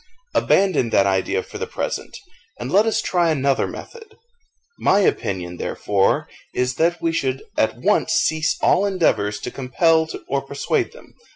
Abandon that idea for the present, and let us try another method. My opinion, therefore, is, that we should at once cease all endeavours to compel or persuade them.